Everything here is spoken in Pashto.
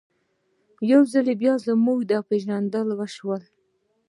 یو ځل بیا موږ ور وپېژندل سولو.